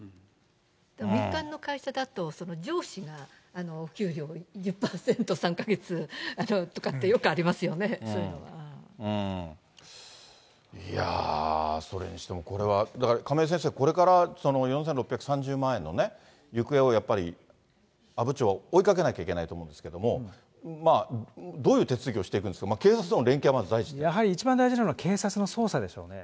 民間の会社だと、上司がお給料を１０％３か月とかって、よくありますよね、そういいやぁー、それにしても、これは、だから、亀井先生、これから４６３０万円のね、行方を、やっぱり阿武町は追いかけなきゃいけないと思うんですけれども、どういう手続きをしていくんですか、やはり一番大事なのは、警察の捜査でしょうね。